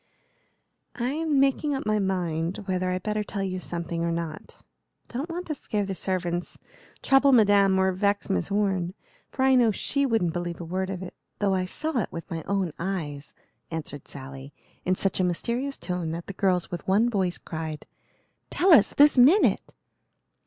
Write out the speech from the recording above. "I'm making up my mind whether I'd better tell you something or not. Don't want to scare the servants, trouble Madame, or vex Miss Orne; for I know she wouldn't believe a word of it, though I saw it with my own eyes," answered Sally, in such a mysterious tone that the girls with one voice cried, "Tell us, this minute!"